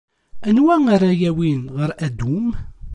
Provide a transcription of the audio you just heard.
Anwa ara iyi-yawin ɣer Adum?